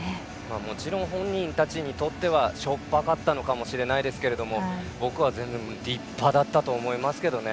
もちろん本人たちにとってはしょっぱかったのかもしれませんが僕は全部立派だったと思いますけどね。